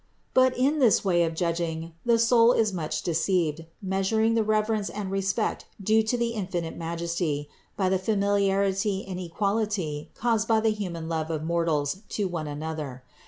442 CITY OF GOD 526. But in this way of judging the soul is much deceived, measuring the reverence and respect due to the infinite Majesty by the familiarity and equality caused by the human love of mortals to one another.